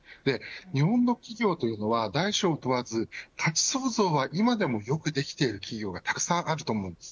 日本の企業というのは大小問わず価値創造は今でもよくできている企業がたくさんあると思うんです。